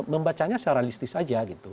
membacanya secara listis aja